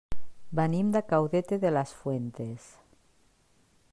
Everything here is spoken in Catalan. Venim de Caudete de las Fuentes.